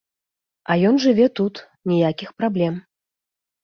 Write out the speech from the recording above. А ён жыве тут, ніякіх праблем.